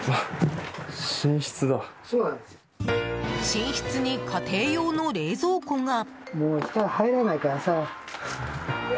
寝室に家庭用の冷蔵庫が。